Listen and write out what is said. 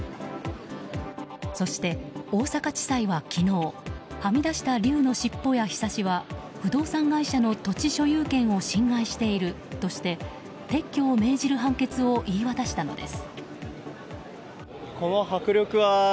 そして大阪地裁は昨日はみ出した龍の尻尾やひさしは不動産会社の土地所有権を侵害しているとして撤去を命じる判決を言い渡したのです。